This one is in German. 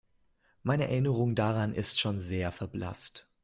Meine Erinnerung daran ist schon sehr verblasst.